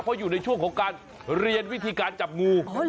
เพราะอยู่ในช่วงของการเรียนวิธีการจับงู